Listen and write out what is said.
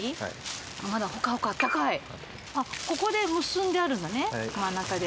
ここで結んであるんだね真ん中で。